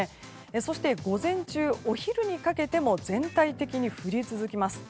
そして午前中、お昼にかけても全体的に降り続きます。